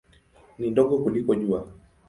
Ni ndogo kuliko Jua.